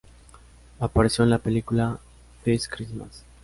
Apareció en la película "This Christmas".